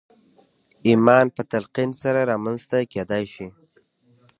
ايمان په تلقين سره رامنځته کېدای شي.